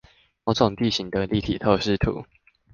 某種地形的立體透視圖